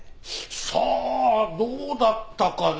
さあどうだったかな？